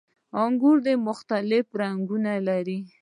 • انګور د مختلفو رنګونو وي.